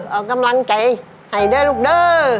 เอากำลังใจให้ด้วยลูกด้วย